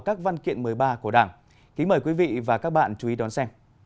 các văn kiện một mươi ba của đảng kính mời quý vị và các bạn chú ý đón xem